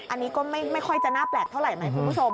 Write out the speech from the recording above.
อันนี้ก็ไม่ค่อยจะน่าแปลกเท่าไหร่ไหมคุณผู้ชม